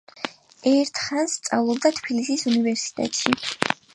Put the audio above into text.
ერთხანს სწავლობდა თბილისის უნივერსიტეტში.